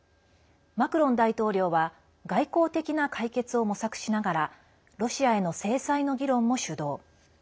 マクロン大統領は外交的な解決を模索しながらロシアへの制裁の議論も主導。